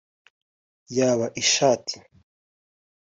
yaba ishati